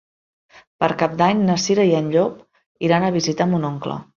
Per Cap d'Any na Cira i en Llop iran a visitar mon oncle.